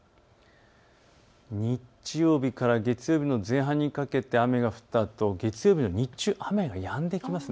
日曜日から月曜日の前半にかけて雨が降ったあと月曜日の日中、雨がやんできます。